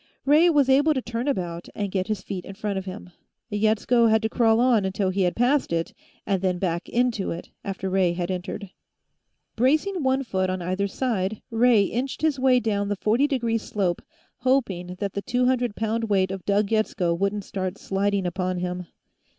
Ray was able to turn about and get his feet in front of him; Yetsko had to crawl on until he had passed it, and then back into it after Ray had entered. Bracing one foot on either side, Ray inched his way down the forty degree slope, hoping that the two hundred pound weight of Doug Yetsko wouldn't start sliding upon him.